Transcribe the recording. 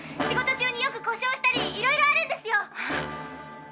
仕事中によく故障したりいろいろあるんですよ。